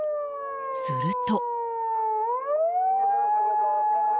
すると。